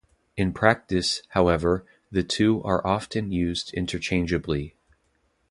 In practice, however, the two are often used interchangeably.